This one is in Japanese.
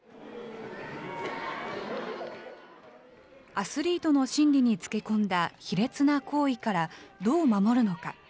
アスリートの心理につけ込んだ卑劣な行為から、どう守るのか。